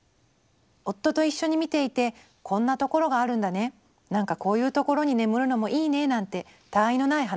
「夫と一緒に見ていて『こんなところがあるんだね何かこういうところに眠るのもいいね』なんてたあいのない話をしました。